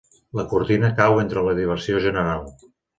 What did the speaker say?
La cortina cau entre la diversió general.